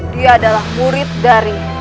dia adalah murid dari